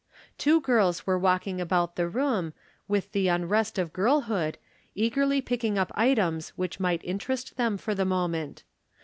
Two girls were walking about the room, with the unrest of girlhood, eagerly picking up items which might interest them for the moment.